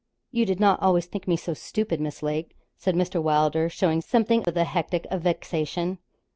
'You did not always think me so stupid, Miss Lake,' said Mr. Wylder, showing something of the hectic of vexation.